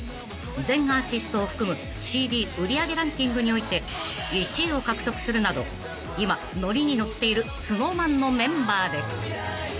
全アーティストを含むＣＤ売り上げランキングにおいて１位を獲得するなど今ノリに乗っているＳｎｏｗＭａｎのメンバーで］